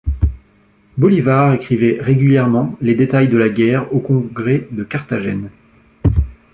Bolivar écrivait régulièrement les détails de la guerre au Congrès de Carthagène.